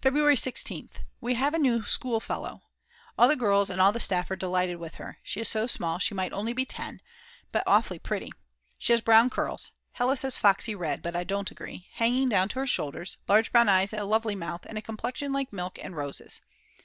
February 16th. We have a new schoolfellow. All the girls and all the staff are delighted with her. She is so small she might be only 10, but awfully pretty. She has brown curls (Hella says foxy red, but I don't agree) hanging down to her shoulders, large brown eyes, a lovely mouth, and a complexion like milk and roses.